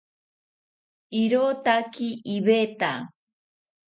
Irotaki iveta